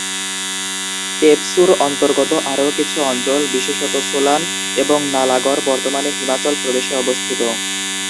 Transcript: পেপসু-র অন্তর্গত আরও কিছু অঞ্চল, বিশেষত সোলান এবং নালাগড়, বর্তমানে হিমাচল প্রদেশে অবস্থিত।